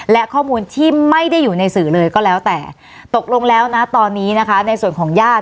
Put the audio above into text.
และข้อมูลที่ไม่ได้อยู่ในสื่อเลยก็แล้วแต่ตกลงแล้วนะตอนนี้นะคะในส่วนของญาติ